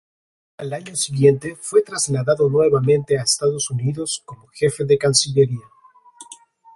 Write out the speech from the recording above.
Al año siguiente fue trasladado nuevamente a Estados Unidos como Jefe de Cancillería.